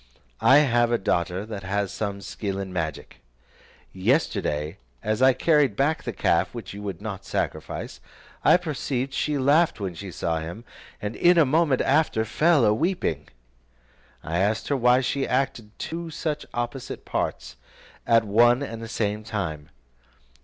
I have a daughter that has some skill in magic. Yesterday, as I carried back the calf which you would not sacrifice, I perceived she laughed when she saw him, and in a moment after fell a weeping. I asked her why she acted two such opposite parts at one and the same time.